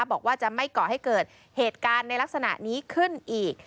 บอกว่าจะไม่ก่อให้เกิดเหตุการณ์ในลักษณะนี้ขึ้นอีก